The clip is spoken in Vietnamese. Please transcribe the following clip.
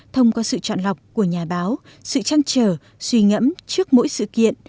thông qua sự chọn lọc của nhà báo sự trăn trở suy ngẫm trước mỗi sự kiện